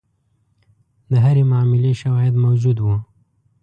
د هرې معاملې شواهد موجود وو.